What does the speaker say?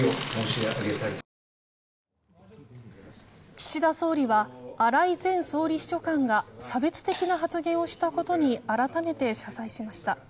岸田総理は荒井前総理秘書官が差別的な発言をしたことに改めて謝罪しました。